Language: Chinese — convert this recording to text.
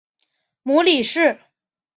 母李氏。